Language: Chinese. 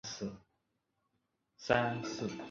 内陆太攀蛇是世界毒性最强的陆栖蛇类。